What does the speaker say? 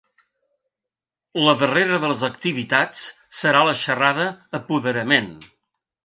La darrera de les activitats serà la xerrada Apoderament.